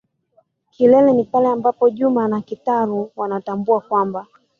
kilele ni pale ambapo Juma na Kitaru wanatambua kwamba.